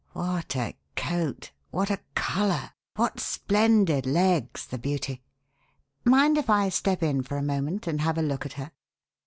What a coat! What a colour! What splendid legs, the beauty! Mind if I step in for a moment and have a look at her?"